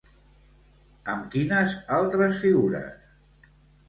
Amb quines altres figures?